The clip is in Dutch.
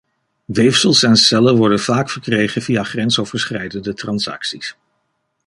Weefsels en cellen worden vaak verkregen via grensoverschrijdende transacties.